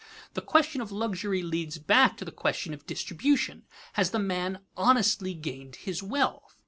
The question of luxury leads back to the question of distribution: Has the man honestly gained his wealth?